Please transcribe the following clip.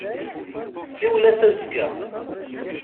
Siwel-as azekka.